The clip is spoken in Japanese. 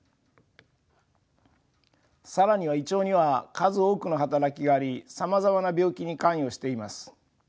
更には胃腸には数多くの働きがありさまざまな病気に関与しています。